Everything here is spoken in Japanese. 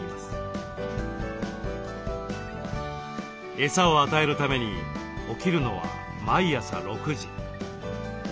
エサを与えるために起きるのは毎朝６時。